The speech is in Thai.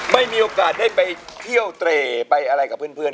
ไม่มีโอกาสได้ไปเที่ยวเตรไปอะไรกับเพื่อน